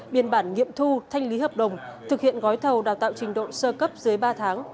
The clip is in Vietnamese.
biên bản nghiệm thu thanh lý hợp đồng thực hiện gói thầu đào tạo trình độ sơ cấp dưới ba tháng